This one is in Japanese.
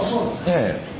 ええ。